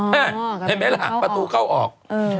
เห็นไหมล่ะประตูเข้าออก